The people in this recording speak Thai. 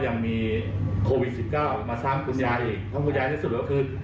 ขบวนการที่จะนำศพไปคือเราอนุญาตให้ออกไปก่อน